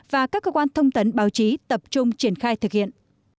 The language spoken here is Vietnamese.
và các cơ quan thông tấn báo chí tập trung triển khai thực hiện